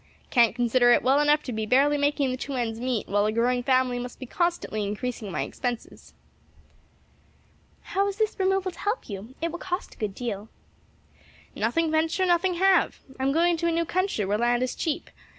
"Can't consider it well enough to be barely making the two ends meet while a growing family must be constantly increasing my expenses." "How is this removal to help you? It will cost a good deal." "'Nothing venture, nothing have.' I'm going to a new country where land is cheap.